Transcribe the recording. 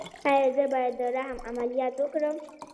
ایا زه باید د رحم عملیات وکړم؟